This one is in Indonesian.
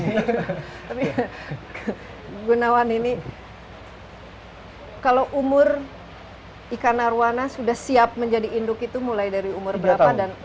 tapi gunawan ini kalau umur ikan arowana sudah siap menjadi induk itu mulai dari umur berapa